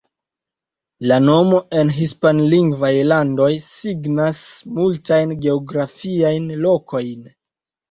La nomo en hispanlingvaj landoj signas multajn geografiajn lokojn.